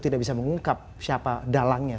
tidak bisa mengungkap siapa dalangnya